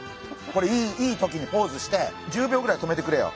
これいい時にポーズして１０秒ぐらい止めてくれよ。